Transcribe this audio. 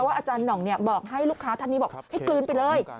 อาจารย์หน่องบอกให้ลูกค้าท่านนี้บอกให้กลืนไปเลย